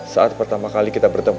saat pertama kali kita bertemu